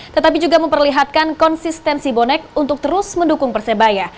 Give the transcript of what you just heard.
tetapi juga memperlihatkan konsistensi bonek untuk terus mendukung persebaya